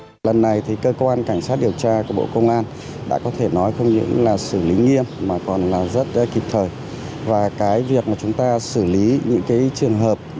trong vụ án này cơ quan điều tra đang khởi tố ông trịnh văn quyết về tội thao túng thị trường chứng khoán